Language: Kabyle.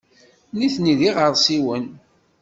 Nitni d iɣersiwen.